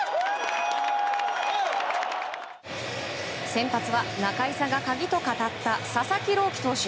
先発は中居さんが鍵と語った佐々木朗希投手。